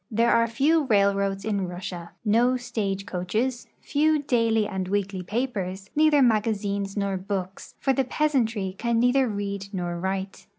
There are few rail roads in Russia, no stage coaches, few daily and weekly pa])ers, neither magazines nor books, for the peasantry can neither read nor write.